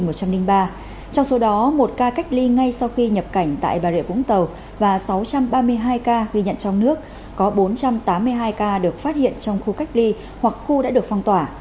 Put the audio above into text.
trong số đó một ca cách ly ngay sau khi nhập cảnh tại bà rịa vũng tàu và sáu trăm ba mươi hai ca ghi nhận trong nước có bốn trăm tám mươi hai ca được phát hiện trong khu cách ly hoặc khu đã được phong tỏa